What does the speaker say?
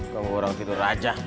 gak mau orang tidur aja